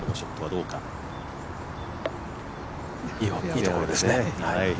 いいところですね。